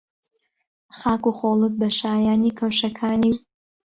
خاک و خۆڵت بە شایانی کەوشەکانی و